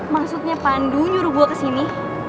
maksudnya pandu nyuruh gua kesini